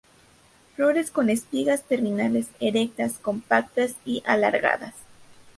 Flores en espigas terminales, erectas, compactas y alargadas.